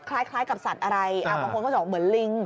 คล้ายกับสัตว์อะไรบางคนก็จะบอกเหมือนลิง